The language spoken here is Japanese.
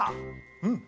うん。